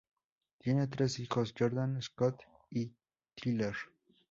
Tienen Tres hijos Jordan, Scott y Tyler.